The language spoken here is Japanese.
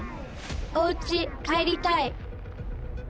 おうち帰りたい。